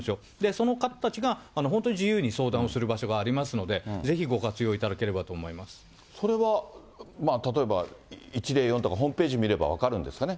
その方たちが本当に自由に相談をする場所がありますので、ぜひごそれは例えば、１０４とかホームページ見れば分かるんですかね。